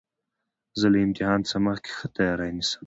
زه له امتحان څخه مخکي ښه تیاری نیسم.